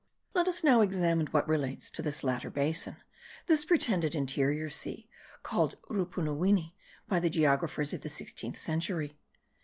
Let us now examine what relates to this latter basin, this pretended interior sea, called Rupunuwini by the geographers of the sixteenth century.